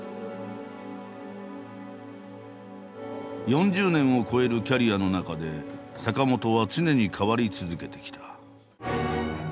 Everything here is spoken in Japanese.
４０年を超えるキャリアの中で坂本は常に変わり続けてきた。